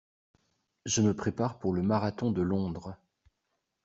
Je me prépare pour le marathon de Londres.